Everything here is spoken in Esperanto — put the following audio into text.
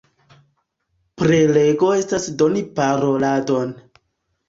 Prelego estas doni paroladon.